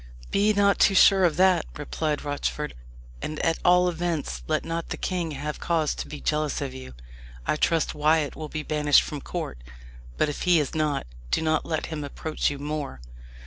"Be not too sure of that," replied Rochford. "And at all events, let not the king have cause to be jealous of you. I trust Wyat will be banished from court. But if he is not, do not let him approach you more."